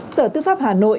sở tư pháp hà nội